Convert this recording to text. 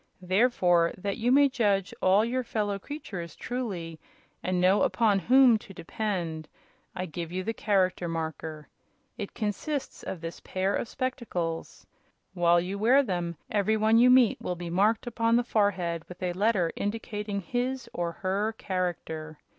Therefore, that you may judge all your fellow creatures truly, and know upon whom to depend, I give you the Character Marker. It consists of this pair of spectacles. While you wear them every one you meet will be marked upon the forehead with a letter indicating his or her character.